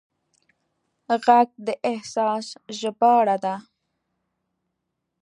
غږ د احساس ژباړه ده